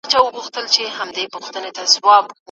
نړيوالي اړیکي د هیوادونو ترمنځ د تفاهم لامل کیږي.